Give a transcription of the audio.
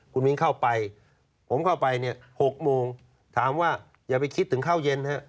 คุณมิ้นเข้าไปผมเข้าไปเนี่ย๖โมงถามว่าอย่าไปคิดถึงข้าวเย็นฮะ